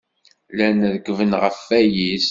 Llan rekkben ɣef wayis.